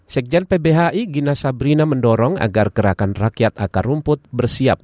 sekjen pbhi gina sabrina mendorong agar gerakan rakyat akar rumput bersiap